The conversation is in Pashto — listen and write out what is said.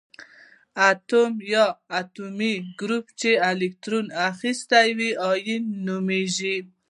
اتوم یا د اتومونو ګروپ چې الکترون اخیستی وي ایون یادیږي.